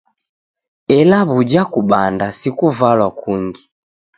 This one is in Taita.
Ela sw'uja kubanda si kuvalwa kungi?